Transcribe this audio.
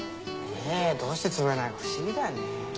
ねぇどうして潰れないのか不思議だよね。